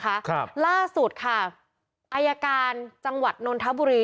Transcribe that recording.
ครับล่าสุดค่ะอายการจังหวัดนนทบุรี